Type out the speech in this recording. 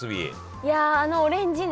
いやあのオレンジね。